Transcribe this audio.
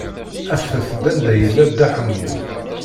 Afet-d anda yella Dda Ḥemmu.